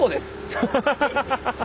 アハハハハハ！